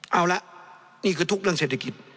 เอาละนี่คือทุกเรื่องเศรษฐกิจ